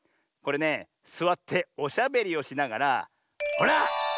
これねすわっておしゃべりをしながらほら